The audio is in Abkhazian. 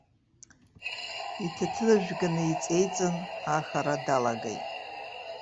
Иҭаҭыныжәга неиҵеиҵан, ахара далагеит.